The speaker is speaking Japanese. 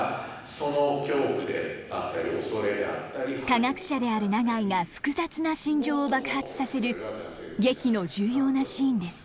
科学者である永井が複雑な心情を爆発させる劇の重要なシーンです。